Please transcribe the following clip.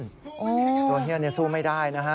ตัวเฮียสู้ไม่ได้นะฮะ